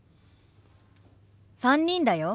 ３人だよ。